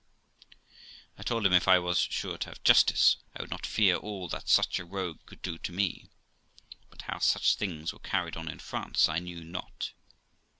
I told him, if I was sure to have justice, I would not fear all that such a rogue could do to me; but how such things were carried on in France I knew not.